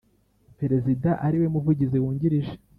Perezida ari we muvugizi wungirije